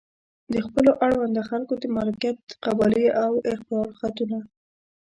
د خپلو اړونده خلکو د مالکیت قبالې او اقرار خطونه.